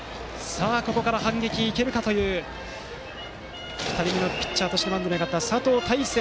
ここから反撃いけるかという２人目のピッチャーとしてマウンドに上がった佐藤大清。